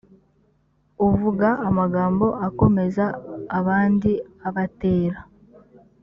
uvuga amagambo akomeza abandi abatera